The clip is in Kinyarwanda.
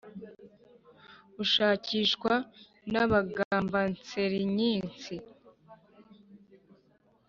ushakishwa nabagambanserinyiisi